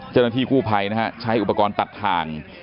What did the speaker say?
เจ้าหน้าที่กู้ภัยนะฮะใช้อุปกรณ์ตัดทาง